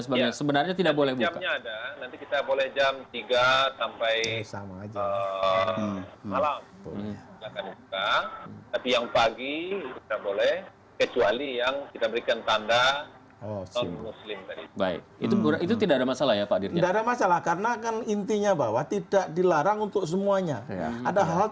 seperti itu boleh